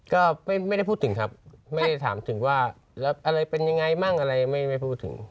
ก็ไม่ได้พูดถึงครับไม่ได้ถามถึงว่าแล้วอะไรเป็นยังไงมั่งอะไรไม่พูดถึง